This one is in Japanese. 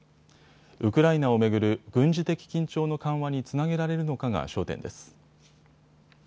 ウクライナを巡る軍事的緊張の緩和につなげられるのかが焦点です。